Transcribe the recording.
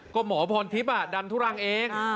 ก็หมอพรทิพย์ดันทุรังเอง